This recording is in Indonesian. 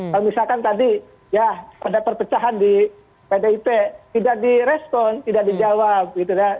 kalau misalkan tadi ya pada perpecahan di pdip tidak direspon tidak dijawab